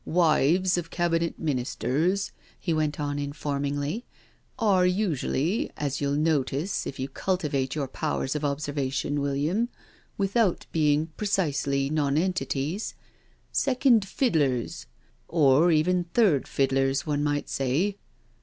" Wives of Cabinet Ministers,*' he went on informingly, " are usually, as you'll notice if you cultivate your powers of observation, William, without being precisely non entities, second fiddlers, or even third fiddlers, one might say.